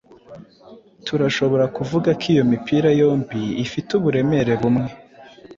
Turashobora kuvuga ko iyo mipira yombi ifite uburemere bumwe.